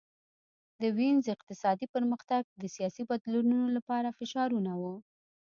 د وینز اقتصادي پرمختګ د سیاسي بدلونونو لپاره فشارونه وو